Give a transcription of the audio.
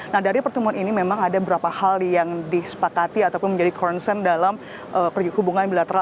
nah dari pertemuan ini memang ada beberapa hal yang disepakati ataupun menjadi concern dalam hubungan bilateral